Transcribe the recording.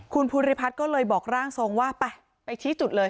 คุณภูริพัฒน์ก็เลยบอกร่างทรงว่าไปไปชี้จุดเลย